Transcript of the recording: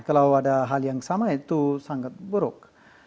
kalau ada hal yang sama itu sangat buruk